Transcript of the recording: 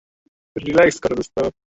আমি ছিলাম একটা হিরো।